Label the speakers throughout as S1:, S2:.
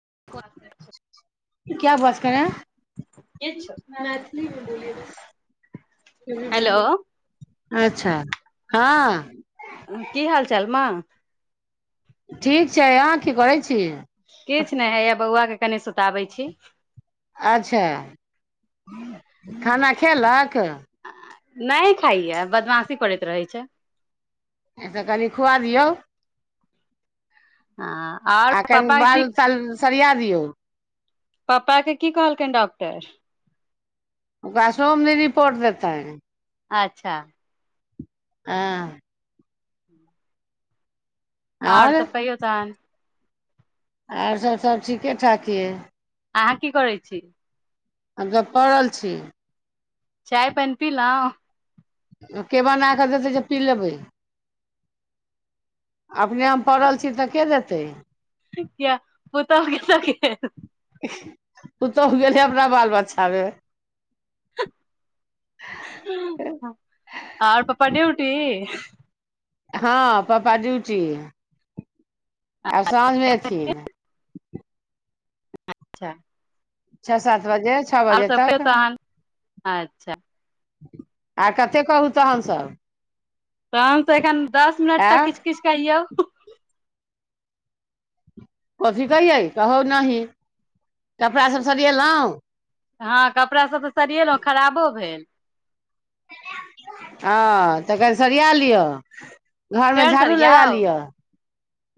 S1: [unintelligible] क्या बात करे ह
S2: किछु
S1: मैथिली। जी- जी
S2: हेलो
S1: -जी। [unintelligible] अच्छा। [unintelligible] हँ
S2: [unintelligible] की हाल चाल मां।
S1: ठीक छै अहां की करें छी।
S2: किछु नहि हैया बौआके। [unintelligible] कनि सुताबै छी। [unintelligible]
S1: अच्छा [unintelligible] खाना खेलक।
S2: नहि खाइय बदमाशी करैत रहै छै। [unintelligible]
S1: एहि तऽ कहली खुआ दियौ। [unintelligible]
S2: हँ आओर
S1: एखन
S2: पापा
S1: बाल साल सरििया। क। [unintelligible]
S2: पपा आ के की कहलकेडॉक्टर। [unintelligible]
S1: ओकराशोम नहि रिपोर्ट देतेन। [unintelligible]
S2: अच्छा। [unintelligible]
S1: आ। [unintelligible]
S2: आओर सब कहियो तहन। [unintelligible]
S1: आर सभ -सभ ठीकेठाक यइ। [unintelligible]
S2: अहाँ की करै छी। [unintelligible]
S1: आग पड़ल छी।
S2: चाय पनपीिल।
S1: के बना कऽ देतै जे पी लेबै अपने हम पड़ल छी तऽ के दे से।
S2: किया [unintelligible]
S1: पुतहु गेलै अपना बाल बच्चामे। [unintelligible]
S2: [unintelligible] आर प्पा ड उटी।
S1: हँ प्पा जच आब साँझमेथिन।
S2: अच्छा।
S1: ्ा सात बजे छः
S2: आओर
S1: बजे
S2: सभ ख
S1: तक
S2: तहन अच्छा।
S1: आ कतेक कहू तहनसभ
S2: तहन तऽ एखन दस मिनट त किछु किछ कहियौ।
S1: कथी कहियै कहौ नही कपड़ासभ सरिेलहुँ
S2: हँ कपड़ाभ तऽ सरिएलहुँ खराबो भेल
S1: हँ तऽ कनि सरिया लिअ घरमे
S2: फेर
S1: झाड़ू लगा
S2: सरियाउ
S1: लिअ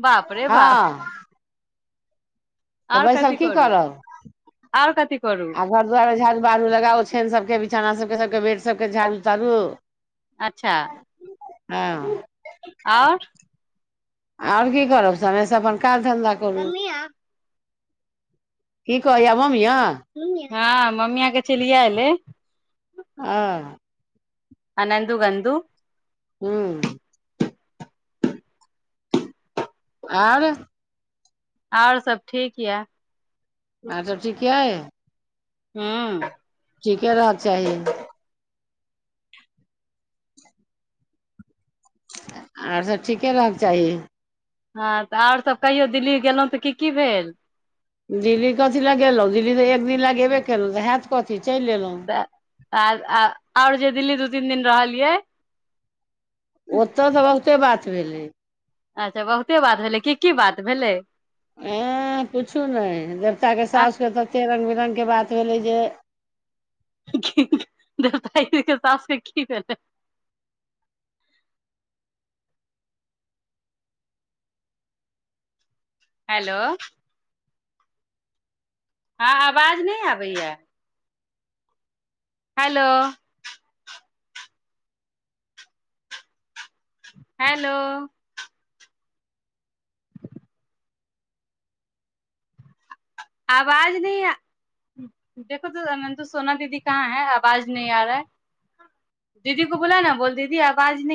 S2: बाप रे
S1: हँ। तऽ
S2: आर
S1: बैसल
S2: कति
S1: की
S2: करू
S1: करब
S2: आर कति
S1: आ घर दुआार मे झाड़ू बहारू लगाओ छनि सभके चनाा सभके सभके बेड सभके झाड़ू ताड़ू।
S2: अच्छा।
S1: हँ।
S2: आओर
S1: आओर की करब सेश अपन काज धंधा करू। क कहय म या।
S2: हँ मम्मियके चलििया एले
S1: ह।
S2: आनन्द गधू
S1: हूँ आर।
S2: आओर सब ठीक यऽ।
S1: आर सब ठीक क है।
S2: हू।
S1: ी क र चाही आओर सभ ठीके रहयक चाही
S2: हँ तऽ आओर सभ कहियो दिल्ली गेलहुँ तऽ की की भेल
S1: दिल्ली कथी लगेलहुँ दिल्ली तऽ एक दिन लगेबे केलहुंऽ हयत कथी। चलि एयलहुँ
S2: त आ आ और जे दिल्ली दु तीन दिन रहल कियै?
S1: ओत' दबल। ते बात भेलै।
S2: अच्छा बहुते बात भेलै, की-की बात भेलै?
S1: एंह पुछु नहि, देवता के
S2: आ
S1: सासके त के रंग रंगके बात भेलै जे
S2: - भाईजी के सासके कि भेलैन हेलो। हां, आवाज नै आबैए। हेलो। हेलो। आवाज नै, [unintelligible]